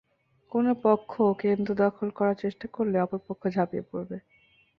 কোনো পক্ষ কেন্দ্র দখল করার চেষ্টা করলে অপর পক্ষ ঝাঁপিয়ে পড়বে।